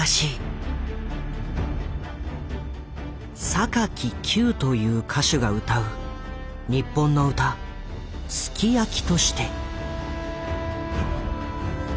「坂木九」という歌手が歌う日本の歌「ＳＵＫＩＹＡＫＩ」として。